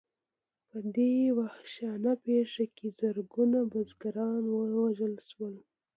په دې وحشیانه پېښه کې زرګونه بزګران ووژل شول.